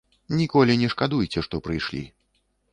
Ніколі не шкадуйце, што прыйшлі.